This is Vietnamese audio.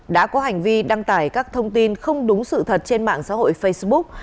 đã có hành vi đăng tải các thông tin không đúng sự thật trên mạng xã hội facebook